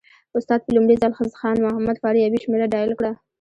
استاد په لومړي ځل خان محمد فاریابي شمېره ډایل کړه.